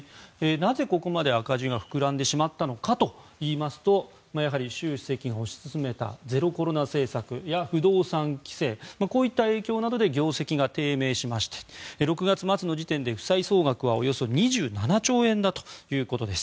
なぜここまで赤字が膨らんでしまったのかといいますとやはり習主席が推し進めたゼロコロナ政策や不動産規制こういった影響などで業績が低迷しまして６月末時点で負債総額はおよそ２７兆円ということです。